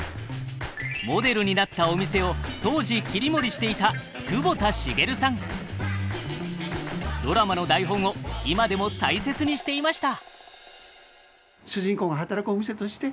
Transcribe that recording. モデルになったお店を当時切り盛りしていたドラマの台本を今でも大切にしていました。